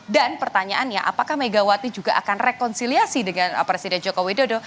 dan pertanyaannya apakah megawati juga akan rekonsiliasi dengan presiden joko widodo